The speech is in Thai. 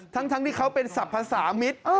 ทั้งที่เขาเป็นสรรพสามิตร